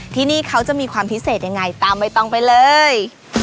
ที่นี่เขาจะมีความพิเศษยังไงตามใบตองไปเลย